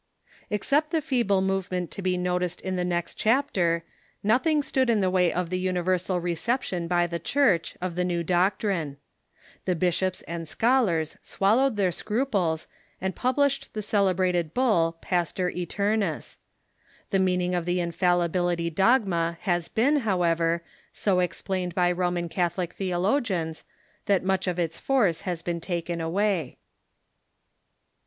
Except the feeble movement to be noticed in the next chap ter, nothing stood in the Avay of the universal reception by the Church of the new doctrine. The bishops and scholars swal lowed their scruples, and published the celebrated bull Pastor ^ternifs. The meaning of the infallibility dogma has been, however, so explained by Roman Catholic theologians that much of its force has been taken away.